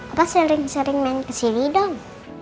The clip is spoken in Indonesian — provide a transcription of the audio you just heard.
apa sering sering main kesini dong